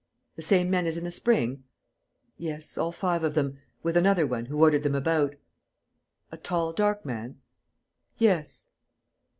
"The same men as in the spring?" "Yes, all five of them ... with another one, who ordered them about." "A tall, dark man?" "Yes."